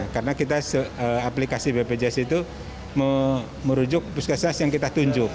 karena kita aplikasi bbjs itu merujuk puskesmas yang kita tunjuk